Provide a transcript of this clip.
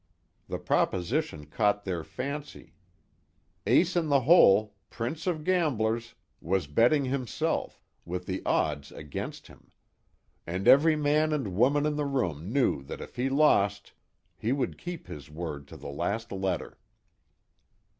The proposition caught their fancy. Ace In The Hole, prince of gamblers, was betting himself with the odds against him! And every man and woman in the room knew that if he lost he would keep his word to the last letter.